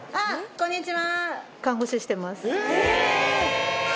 こんにちは。